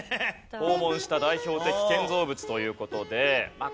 訪問した代表的建造物という事でまあ